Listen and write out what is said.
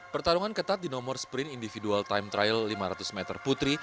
pertarungan ketat di nomor sprint individual time trial lima ratus meter putri